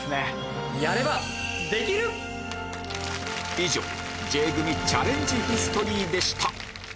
以上Ｊ組チャレンジヒストリーでした